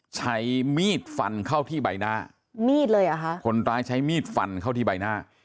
ใช้มีดฟันเข้าที่ใบหน้าคนตายใช้มีดฟันเข้าที่ใบหน้า